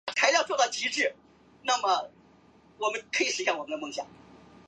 每当阿公要离去时